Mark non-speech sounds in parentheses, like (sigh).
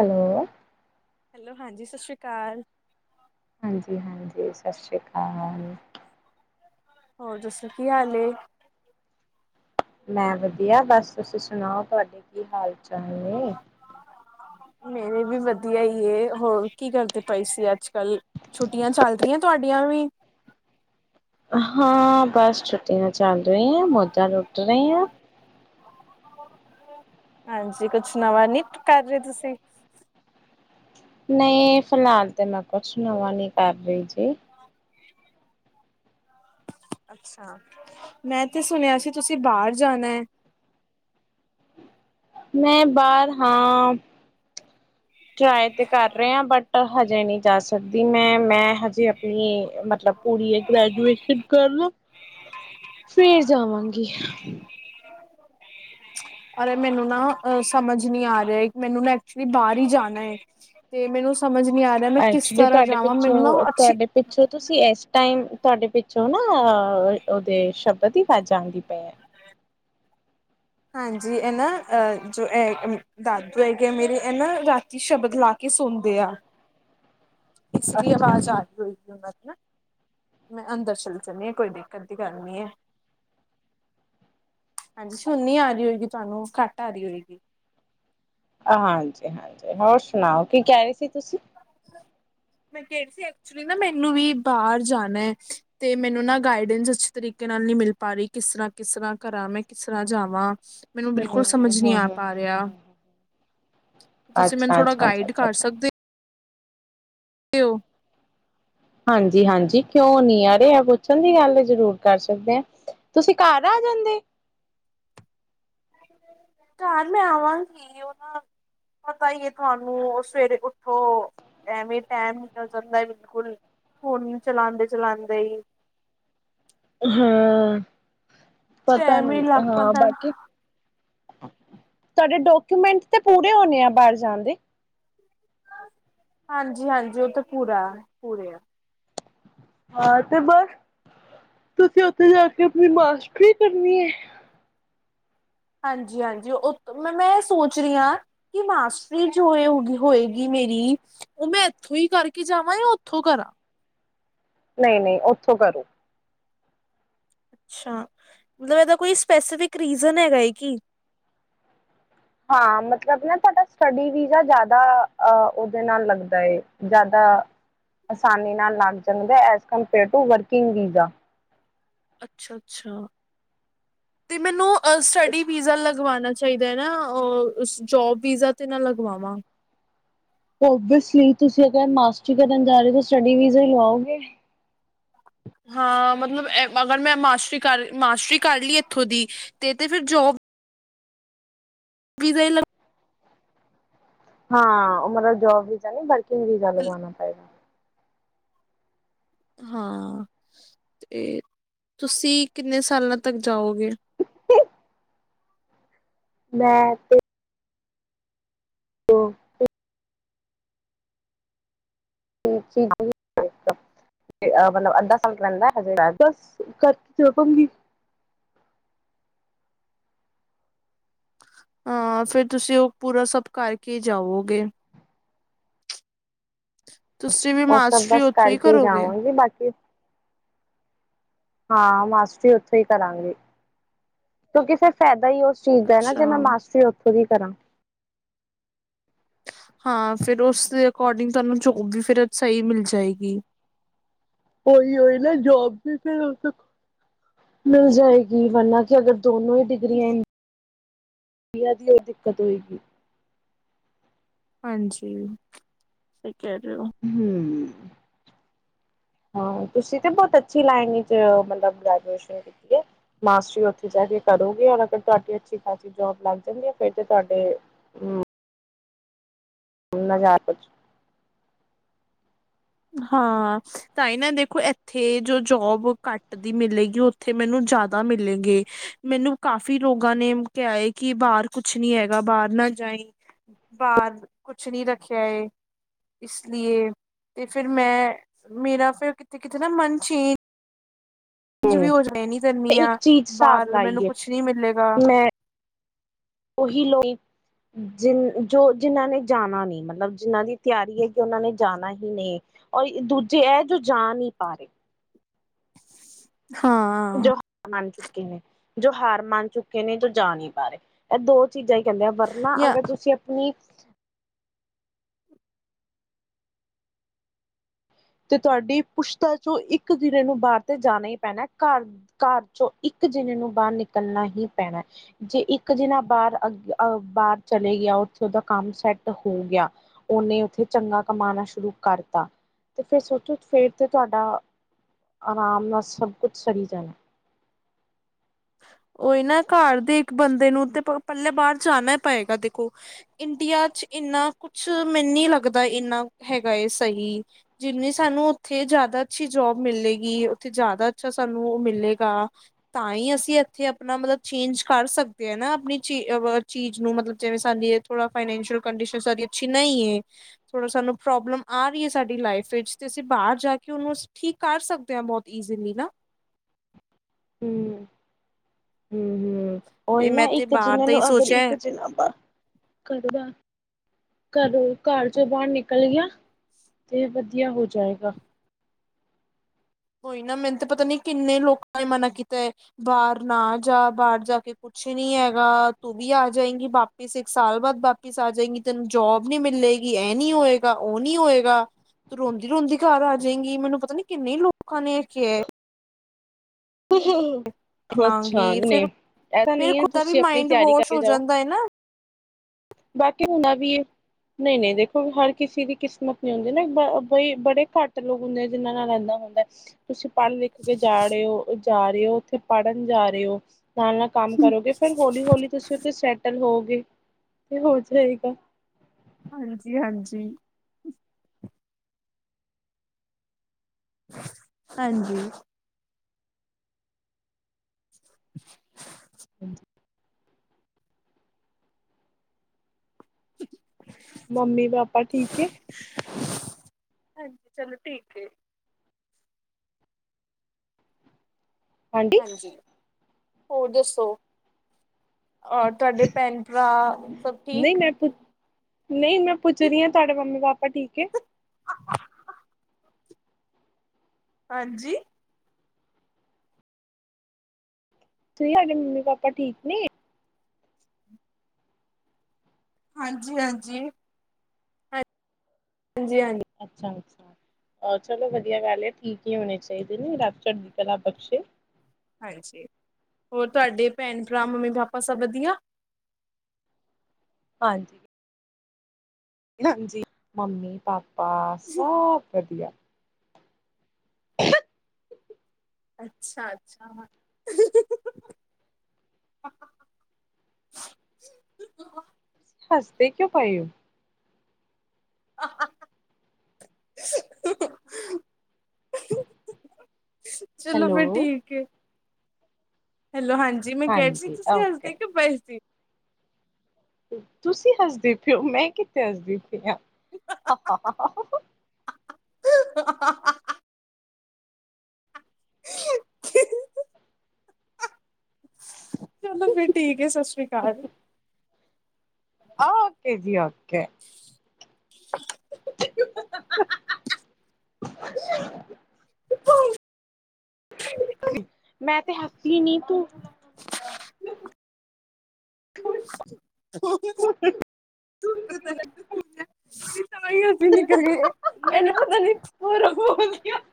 Hello hello ਹਾਂਜੀ ਸਸ਼੍ਰੀਕਾਲ। ਹਾਂਜੀ, ਹਾਂਜੀ ਸਾਸਰੀਕਾਲ। ਹੋਰ ਦੱਸੋ ਕੀ ਹਾਲ ਏ? ਮੈਂ ਵਧੀਆ ਬਸ ਤੁਸੀਂ ਸੁਣਾਓ ਤਾਡੇ ਕੀ ਹਾਲ ਚਾਲ ਨੇ? ਮੇਰੇ ਵੀ ਵਧੀਆ ਈ ਏ ਹੋਰ ਕੀ ਕਰਦੇ ਪਏ ਸੀ ਅੱਜ ਕੱਲ? ਛੁੱਟੀਆਂ ਚਲ ਰੀਆ ਤੁਆਡੀਆਂ ਵੀ? ਹਾਂ ਬਸ ਛੁੱਟੀਆਂ ਚੱਲ ਰਈਆਂ ਮੌਜਾ ਲੁੱਟ ਰਏ ਆਂ। ਹਾਂਜੀ ਕੁਛ ਨਵਾਂ ਨੀ ਕਰ ਰਹੇ ਤੁਸੀਂ ਨਹੀਂ ਫਿਲਹਾਲ ਤੇ ਮੈਂ ਕੁਛ ਨਵਾਂ ਨੀ ਕਰ ਰਹੀ ਜੀ ਅੱਛਾ ਮੈਂ ਤੇ ਸੁਣਿਆ ਸੀ ਤੁਸੀਂ ਬਾਹਰ ਜਾਣਾ ਹੈ ਮੈਂ ਬਾਹਰ ਹਾਂ ਟਰਾਈ ਤੇ ਕਰ ਰਹੇ ਹਾਂ ਬਟ ਬਟ ਹਜੇ ਨਹੀਂੀ ਜਾ ਸਕਦੀ ਮੈਂ ਮੈਂ ਹਜੇ ਆਪਣੀ ਮਤਲਬ ਪੂਰੀ ਗ੍ਰੈਜੂਏਸ਼ਨ ਕਰਲਾ ਫੇਰ ਜਾਵਾਂਗੀ (unintelligible) ਅਰੇ ਮੈਨੂੰ ਨਾ ਅ ਸਮਝ ਨੀ ਆ ਰਿਹਾ ਮੈਨੂੰ ਨਾ ਐਕਚੁਲੀ ਬਾਹਰ ਹੀ ਜਾਣਾ ਹੈ ਤੇ ਮੈਨੂੰ ਸਮਝ ਨੀ ਆ ਰਿਹਾ ਮੈਂ ਕਿਸ ਐਕਚੁਲੀ ਤਰ੍ਹਾਂ ਤੁਹਾਡੇ ਜਾਵਾਂ ਮੈਨੂੰ ਨਾ ਪਿੱਛੋਂ ਅੱਛੀ ਤੁਹਾਡੇ ਪਿੱਛੋਂ ਤੁਸੀਂ ਇਸ ਟਾਈਮ ਤੁਹਾਡੇ ਪਿੱਛੋਂ ਨਾ ਅ ਓਹਦੀ ਸ਼ਬਦ ਦੀ ਅਵਾਜਾ ਆਂਦੀ ਪਈਆ ਨੇ ਹਾਂਜੀ ਇਹ ਨਾ ਅਹ ਜੋ ਇਹ ਦਾਦੂ ਹੈਗੇ ਆ ਮੇਰੇ ਇਹ ਨਾ ਰਾਤੀ ਸ਼ਬਦ ਲਾ ਕੇ ਸੌਂਦੇ ਆ ਇਸ ਲਈ ਅੱਛਾ ਆਵਾਜ਼ ਆ ਰਹੀ ਹੋਈ ਸੀ ਉਹਨਾਂ ਦੀ ਨਾ ਮੈਂ ਅੰਦਰ ਚੱਲ ਜਾਂਦੀ ਹਾਂ ਕੋਈ ਦਿੱਕਤ ਦੀ ਗੱਲ ਨਹੀਂ ਹੈ ਹਾਂਜੀ ਹੁਣ ਨੀ ਆ ਰਹੀ ਹੋਏਗੀ ਤੁਹਾਨੂੰ ਘੱਟ ਆ ਰਹੀ ਹੋਏਗੀ ਹਾਂਜੀ ਹਾਂਜੀ ਹੋਰ ਸੁਣਾਓ ਕੀ ਕਹਿ ਰਹੀ ਸੀ ਤੁਸੀਂ ਮੈਂ ਕਹਿ ਰਹੀ ਸੀ ਐਕਚੁਲੀ ਨਾ ਮੈਨੂੰ ਵੀ ਬਾਹਰ ਜਾਣਾ ਹੈ ਤੇ ਮੈਨੂੰ ਨਾ ਗਾਈਡੈਂਸ ਅਛੇ ਤਰੀਕੇ ਨਾਲ ਨਹੀਂ ਮਿਲ ਪਾ ਰਹੀ ਕਿਸ ਤਰ੍ਹਾਂ ਕਿਸ ਤਰ੍ਹਾਂ ਕਰਾਂ ਮੈਂ ਕਿਸ ਤਰ੍ਹਾਂ ਜਾਵਾਂ ਮੈਨੂੰ ਹੂੰ ਬਿਲਕੁਲ ਸਮਝ ਨਹੀਂ ਹੂੰ ਆ ਪਾ ਹੂੰ ਰਿਹਾ ਤੁਸੀਂ ਮੈਨੂੰ ਅੱਛਾ ਥੋੜਾ ਅੱਛਾ ਅੱਛਾ ਗਾਈਡ ਅੱਛਾ ਕਰ ਅੱਛਾ ਸਕਦੇ ਹੋ ਉ ਹਾਂਜੀ ਹਾਂਜੀ ਕਿਉਂ ਨੀ ਅਰੇ ਇਹ ਪੁੱਛਣ ਦੀ ਗੱਲ ਆ ਜ਼ਰੂਰ ਕਰ ਸਕਦੇ ਹਾਂ ਤੁਸੀ ਘਰ ਆ ਜਾਦੇ (inaudible) ਘਰ ਮ ਆਵਾਂਗੀ ਉਹਨਾ ਪਤਾ ਹੀ ਹੈ ਤੁਹਾਨੂੰ ਉਹ ਸਵੇਰੇ ਉਠੋ ਐਵੇ ਟਾਈਮ ਨਿਕਲ ਜਾਦਾ ਬਿਲਕੁਲ ਫੋਨ ਚਲਾਦੇ ਚਲਾਉਂਦੇ ਹੀ ਹਾ ਪਤਾ ਟਾਈਮ ਹੀ ਨਹੀਂ ਲੱਗ ਹਾਂ ਪੈਂਦਾ ਬਾਕੀ ਤੁਹਾਡੇ ਡਾਕੂਮੈਂਟ ਤੇ ਪੂਰੇ ਹੋਣੇ ਆ ਬਾਹਰ ਜਾਣ ਦੇ ਹਾਂਜੀ ਹਾਂਜੀ ਉਹ ਤਾਂ ਪੂਰਾ ਪੂਰੇ ਆ। ਹਾਂ ਤੇ ਬਸ ਤੁਸੀ ਉਥੇ ਜਾ ਕੇ ਆਪਣੀ ਮਾਸਟਰੀ ਕਰਨੀ ਹੈ। ਹਾਂਜੀ ਹਾਂਜੀ ਉ ਮੈ ਮੈ ਸੋਚ ਰਹੀ ਹਾਂ। ਕਿ ਮਾਸਟਰੀ ਜੋ ਹੋ ਹੋ ਹੋਏਗੀ ਮੇਰੀ ਉਹ ਮੈ ਇਥੋਂ ਹੀ ਕਰਕੇ ਜਾਵਾਂ ਜਾਂ ਉਥੋ ਕਰਾਂ ਨਹੀ ਨਹੀ ਉਥੋਂ ਕਰੋ ਅਛਾ ਮਤਲਬ ਇਹਦਾ ਕੋਈ ਸਪੈਸੀਫਿਕ ਰੀਜ਼ਨ ਹੈਗਾ ਹੈਏ ਕਿ ਹਾਂ ਮਤਲਬ ਨਾ ਤੁਹਾਡਾ ਸਟੱਡੀ ਵੀ ਜਿਆਦਾ ਅ ਉਹਦੇ ਨਾਲ ਲਗਦਾ ਹੈ ਜਿਆਦਾ ਆਸਾਨੀ ਨਾਲ ਲਗ ਜਾਦਾ as compare to working visa ਅਛਾ ਅਛਾ ਤੇ ਮੈਨੂੰ ਇਸ ਸਟਡੀ ਵੀਜਾ ਲ ਲਗਵਾਣਾ ਚਾਹੀਦਾ ਹੈ ਨਾ ਅ ਜੋਬ ਵੀਜਾ ਤੇ ਨਾ ਲਗਵਾਵਾਂ ਓਬਵੀਯਸਲੀ ਤੁਸੀ ਅਰ ਮਾਸਰੀ ਕਰਨ ਜਾ ਰਹੇ ਹੋ ਸਟੱਡੀ ਵੀਜਾ ਹੀ ਲਵਾਓਗੇ। ਹਾਂ ਮਤਲਬ ਅਗਰ ਮੈਂ ਮਾਸਟਰੀ ਕਰ ਮਾਸਟਰੀ ਕਰ ਲਈ ਇਥੋ ਦੀ ਤੇ ਤੇ ਫਿਰ ਜੋਬ ਵਿਜ਼ਾ ਹੀ ਲਗ ਹਾਂ ਮਤਲਬ ਜੋਬ ਵੀਜਾ ਨੀ ਵਰਕਿੰਗ ਵੀਜਾ ਲਗਵਾਉਣਾ ਪਏਗਾ। ਹਾਂ ਤੇ ਤੁਸੀ ਕਿਨੇ ਸਾਲਾਂ ਤਕ ਜਾਓਗੇ। ਮੈਂ ਤੇ ਓ (inaudible) ਮਤਲਬ ਅੱਦਾ (unintelligible) ਰੈਂਦਾ ਏ ਹਜੇ, ਬਸ ਕਰ ਕਰਦੂੰਗੀ। ਹਾਂ ਫਿਰ ਤੁਸੀ ਓ ਪੂਰਾ ਸਬ ਕਰਕੇ ਈ ਜਾਵੋਗੇ। ਤੁਸੀਂ ਵੀ ਓ ਸਬ ਮਾਸਟਰੀ ਬਸ ਉੱਥੋਂ ਹੀ ਕਰਕੇ ਈ ਕਰੋਗੇ ਜਾਵਾਂਗੀ ਬਾਕੀ ਹਾਂ ਮਾਸਟਰੀ ਓਥੋਂ ਈ ਕਰਾਂਗੇ, ਕਿਉਂਕਿ ਫਿਰ ਫੈਦਾ ਈ ਓਸ ਚੀਜ਼ ਦਾ ਐ ਨਾ ਅੱਛਾ ਜੇ ਮੈਂ ਮਾਸਟਰੀ ਓਥੇ ਦੀ ਕਰਾਂ। ਹਾਂ ਫਿਰ ਉਸਦੇ ਅਕੋਰਡਿੰਗ ਤੁਆਨੂੰ ਜੋਬ ਵੀ ਫਿਰ ਸਈ ਮਿਲ ਜਾਏਗੀ। ਓਹੀ ਓਈ ਨਾ ਜੋਬ ਵੀ ਫਿਰ ਉਸ ਅਕੋ ਮਿਲ ਜਾਏਗੀ ਵਰਨਾ ਕੀ ਅਗਰ ਦੋਨੋਂ ਈ ਡਿਗਰੀਆਂ ਏਨੀ, ਡਿਗਰੀਆਂ ਦੀ ਓ ਦਿਕਤ ਹੋਏਗੀ। ਹਾਂਜੀ ਸਈ ਕੈ ਰਏ ਓ। ਹੂੰ (inaudible) ਹਾਂ ਤੁਸੀ ਤੇ ਬੋਤ ਅੱਛੀ ਲਾਈਨ ਵਿਚ ਮਤਲਬ ਗ੍ਰੈਜੂਏਸ਼ਨ ਕੀਤੀ ਐ। ਮਾਸਟਰੀ ਓਥੇ ਜਾ ਕੇ ਕਰੋਗੇ ਔਰ ਅਗਰ ਫੇਰ ਤੁਆਡੀ ਅੱਛੀ ਖਾਸੀ ਜੋਬ ਲਗ ਜਾਦੀ ਐ ਫਿਰ ਤੇ ਤੁਆਡੇ ਹੂੰ ਹੁਨ ਨਾ ਜਾ ਏ ਕੁਛ। ਹਾਂ ਤਾਂਈ ਨਾ ਦੇਖੋ ਏਥੇ ਜੋ ਜੋਬ ਘੱਟ ਦੀ ਮਿਲੇਗੀ ਓ ਥੇ ਮੈਨੂੰ ਜਾਦਾ ਮਿਲੇ ਗੇ ਮੈਨੂੰ ਕਾਫੀ ਲੋਗਾਂ ਨੇ ਕਿਆ ਐ ਕੀ ਬਾਰ ਕੁਛ ਨੀ ਹੈਗਾ ਬਾਰ ਨਾ ਜਾਈ, ਬਾਰ ਕੁਛ ਨੀ ਰੱਖਿਆ ਏ। ਇਸ ਲੀਈਏ ਤੇ ਫਿਰ ਮੈਂ, ਮੇਰਾ ਫਿਰ ਕਿੱਥੇ-ਕਿੱਥੇ ਨਾ ਮਨ ਚੇਂਜ ਇੰਝ ਵੀ ਹੋ ਤੇ ਜਾਏ ਨੀ ਇੱਕ (unintelligible) ਚੀਜ਼ ਹਿਸਾਬ ਬਾਰ ਮੈਨੂੰ ਲਾਈਏ ਕੁਛ ਨੀ ਮਿਲੇਗਾ। ਓਹੀ ਲੋਈ। ਜਿੰਨ ਜੋ ਜਿੰਨਾ ਨੇ ਜਾਨਾ ਨੀ ਮਤਲਬ ਜਿੰਨਾ ਦੀ ਤਿਆਰੀ ਏ ਕੀ ਓਨਾ ਨੇ ਜਾਨਾ ਹੀ ਨਹੀਂ। ਔਰ ਦੂਜੇ ਏਹ ਜੋ ਜਾ ਨੀ ਪਾ ਰਏ ਹਾਂ। ਜੋ ਹਾਰ ਮੰਨ ਚੁੱਕੇ ਨੇ ਜੋ ਹਾਰ ਮੰਨ ਚੁੱਕੇ ਨੇ ਜੋ ਜਾ ਨੀ ਪਾ ਰਏ ਏ ਦੋ ਚੀਜਾਂ ਈ ਕੈਂਦੇ ਆ ਵਰਨਾ ਯਾ ਅਗਰ ਤੁਸੀਂ ਆਪਣੀ ਤੇ ਤੁਆਡੀ ਪੁਸ਼ਤਾ ਚੋਂ ਇੱਕ ਜਨੇ ਨੂੰ ਬਾਰ ਤੇ ਜਾਨਾ ਈ ਪੈਨਾ ਘਰ ਘਰ ਚੋਂ ਇੱਕ ਜਨੇ ਨੂੰ ਬਾਰ ਨਿਕਲਨਾ ਹੀ ਪੈਣੈ। ਜੇ ਇੱਕ ਜਨਾ ਬਾਰ ਅ ਬਾਰ ਚਲੇ ਗਿਆ ਓਥੇ ਓਦਾ ਕੰਮ ਸੈਟ ਹੋ ਗਿਆ। ਓਨੇ ਓਥੇ ਚੰਗਾ ਕਮਾਣਾ ਸ਼ੁਰੂ ਕਰਤਾ। ਤੇ ਫੇਰ ਸੋਚੋ ਫੇਰ ਤੇ ਤੁਆਡਾ, ਆਰਾਮ ਨਾਲ ਸਬ ਕੁਛ ਸਰੀ ਜਾਣੈ। ਓਈ ਨਾ ਘਰ ਦੇ ਇੱਕ ਬੰਦੇ ਨੂੰ ਤੇ ਪ ਪੈਲੇ ਬਾਰ ਜਾਣਾ ਏ ਪਏਗਾ ਦੇਖੋ। ਇੰਡੀਆ ਚ ਇੰਨਾ ਕੁਛ ਮੈਨੂੰ ਨੀ ਲੱਗਦਾ ਏਨਾ ਹੈਗਾ ਏ ਸਹੀ। ਜਿੰਨੀ ਸਾਨੂੰ ਓਥੇ ਜ਼ਾਦਾ ਅੱਛੀ ਜੋਬ ਮਿਲੇਗੀ ਓਥੇ ਜ਼ਾਦਾ ਅੱਛਾ ਸਾਨੂੰ ਓ ਮਿਲੇਗਾ। ਤਾਂ ਈ ਅਸੀਂ ਇੱਥੇ ਆਪਣਾ ਮਤਲਬ ਚੇਂਜ ਕਰ ਸਕਦੇ ਆ ਨਾ ਆਪਣੀ ਚੀ ਅਹ ਚੀਜ਼ ਨੂੰ ਮਤਲਬ ਜਿਵੇਂ ਸਾਡੀ ਏ ਥੋੜਾ ਫਾਈਨੈਂਸ਼ੀਅਲ ਕੰਡੀਸ਼ਨ ਸਾਡੀ ਅੱਛੀ ਨਈਂ ਐ। ਥੋੜਾ ਸਾਨੂੰ ਪ੍ਰੋਬਲਮ ਆ ਰਈ ਐ ਸਾਡੀ ਲਾਈਫ ਵਿੱਚ ਤੇ ਅਸੀਂ ਬਾਰ ਜਾ ਕੇ ਓਨੂੰ ਠੀਕ ਕਰ ਸਕਦੇ ਆਂ ਬੋਤ ਈਜ਼ੀਲੀ ਨਾ। ਹੂੰ, ਹੂੰ-ਹੂੰ। ਓਹੀ ਤੇ ਨਾ ਮੈਂ ਤੇ ਇੱਕ ਬਾਹਰ ਜਨੇ ਦਾ ਹੀ ਨੂੰ ਅਗਰ ਇੱਕ ਸੋਚਿਆ ਜਨਾ ਬਾਰ ਕਰਦਾ ਏ। ਘਰੋਂ ਘਰ ਚੋਂ ਬਾਹਰ ਨਿਕਲ ਗਿਆ ਤੇ ਵਧੀਆ ਹੋ ਜਾਏਗਾ। ਕੋਈ ਨਾ ਮੈਨੂੰ ਤਾਂ ਪਤਾ ਨੀ ਕਿੰਨੇ ਲੋਕਾਂ ਨੇ ਮਨਾ ਕੀਤੈ ਬਾਹਰ ਨਾ ਜਾ ਬਾਹਰ ਜਾ ਕੇ ਕੁ ਕੁਛ ਨੀ ਹੈਗਾ ਤੂੰ ਵੀ ਆ ਜਾਏਂਗੀ ਵਾਪ ਇੱਕ ਸਾਲ ਬਾਅਦ ਵਾਪਿਸ ਆ ਜੇਗੀ ਤੈਨੂੰ ਜੋਬ ਨੀ ਮਿੱਲੇਗੀ ਇਹ ਨੀ ਹੋਏਗਾ ਉਹ ਨੀ ਹੋਏਗਾ। ਤੂੰ ਰੋਂਦੀ ਰੋਂਦੀ ਘਰ ਆ ਜੇਗੀ ਮੈਨੂੰ ਪਤਾ ਨੀ ਕਿੰਨੇ ਲੋਕਾਂ ਨੇ ਕਿਹੈ। ਅੱਛਾ ਲਾਂਗੀ ਫਿਰ ਨਹੀਂ ਐਸਾ ਫਿਰ ਨਹੀਂ ਐ ਖੁਦ ਦਾ ਵੀ ਤੁਸੀਂ ਆਪਣੀ ਮਾਇੰਡ ਤਿਆਰੀ ਵਾਸ਼ ਕਰਕੇ ਹੋ ਜਾਓ। ਜਾਂਦਾ ਹੈ ਨਾ ਬਾਕੀ ਹੁੰਦਾ ਵੀ ਏ। ਨਹੀਂ ਨਹੀਂ ਦੇਖੋ ਹਰ ਕਿਸੇ ਦੀ ਕਿਸਮਤ ਨਹੀਂ ਹੁੰਦੀ ਨਾ ਬ ਬਈ ਬੜੇ ਘੱਟ ਲੋਕ ਹੁੰਦੇ ਜਿਨਾਂ ਨਾਲ ਇੱਦਾ ਹੁੰਦੈ। ਤੁਸੀਂ ਪੜ੍ਹ ਲਿਖ ਕੇ ਜਾ ੜੇ ਹੋ ਜਾ ਰਹੇ ਹੋ ਉੱਥੇ ਪੜ੍ਹਨ ਜਾ ਰਹੇ ਹੋ। ਨਾਲ ਨਾਲ ਕੰਮ ਕਰੋਗੇ ਫਿਰ ਹੌਲੀ ਹੌਲੀ ਤੁਸੀਂ ਉੱਥੇ ਸੈਟਲ ਹੋਗੇ ਤੇ ਹੋ ਜਾਏਗਾ। ਹਾਂਜੀ ਹਾਂਜੀ ਹਾਂਜੀ (inaudible) ਹ (inaudible) ਮੰਮੀ ਪਾਪਾ ਠੀਕ ਏ। ਹਾਂਜੀ ਚਲੋ ਠੀਕ ਏ। (unintelligible) ਹੋਰ ਦੱਸੋ ਔਰ ਤੁਹਾਡੇ ਭੈਣ ਭਰਾ ਸਭ ਨਹੀਂ ਠੀਕ ਮੈਂ ਪੁ ਨਹੀਂ ਮੈਂ ਪੁੱਛ ਰੀ ਆਂ ਤੁਹਾਡੇ ਮੰਮੀ ਪਾਪਾ ਠੀਕ ਏ। (unintelligible) (inaudible) ਹਾਂਜੀ ਤੁਹੀ ਹਾਡੇ ਮੰਮੀ ਪਾਪਾ ਠੀਕ ਨੇ ਹਾਂਜੀ ਹਾਂਜੀ ਹਾਂਜੀ ਹਾਂਜੀ ਅੱਛਾ ਅੱਛਾ ਔਰ ਚਲੋ ਵਧੀਆ ਗੱਲ ਏ ਠੀਕ ਹੀ ਹੋਣੇ ਚਾਹੀਦੇ ਨੇ ਰੱਬ ਚੜਦੀ ਕਲਾ ਬਖਸ਼ੇ। ਹਾਂਜੀ ਹੋਰ ਤੁਹਾਡੇ ਭੈਣ ਭਰਾ ਮੰਮੀ ਪਾਪਾ ਸਭ ਵਧੀਆ। ਹਾਂਜੀ ਹਾਂਜੀ ਮੰਮੀ ਪਾਪਾ ਸਭ ਵਧੀਆ ਹ (unintelligible) (inaudible) ਅੱਛਾ ਅੱਛਾ ਹੱਸਦੇ ਕਿਉਂ ਪਏਓ ਆ ਆ ਆ ਹੂੰ ਹੂੰ ਚਲੋ ਫਿਰ ਹੈਲੋ, ਠੀਕ ਏ ਹੈਲੋ ਹਾਂਜੀ ਜੀ ਮੈਂ ਕਹਿ ਸੀ ਹਾਂਜੀ ਤੁਸੀਂ ਓਕੇ। ਹੱਸਦੇ ਕਿਉਂ ਪਏ ਸੀ ਤੁਸੀਂ ਹੱਸਦੇ ਪਏ ਹੋ ਮੈਂ ਕਿੱਥੇ ਹੱਸਦੀ ਪਈ ਆਂ ਹਾ ਹਾ ਹਾ ਹਾ ਹਾ ਹਾ ਚਲੋ ਫਿਰ ਠੀਕ ਏ ਸਤਿ ਸ੍ਰੀ ਅਕਾਲ ਓਕੇ ਜੀ ਓਕੇ ਹਾ ਹਾ ਹੋ (unintelligible) (inaudible) ਮੈਂ ਤੇ ਹੱਸੀ ਨੀ ਤੂੰ (unintelligible) (inaudible) (unintelligible) ਤਾਂਈੳ ਅਸੀਂ ਨਿਕਲ ਗਏ, ਤੈਨੂੰ ਪਤਾ ਨੀ (unintelligible)